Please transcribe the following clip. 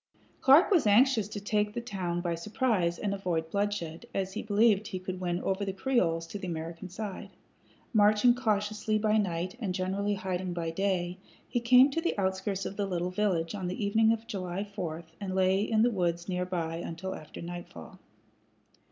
Clark was anxious to take the town by surprise and avoid bloodshed, as he believed he could win over the Creoles to the American side. Marching cautiously by night and generally hiding by day, he came to the outskirts of the little village on the evening of July 4, and lay in the woods near by until after nightfall.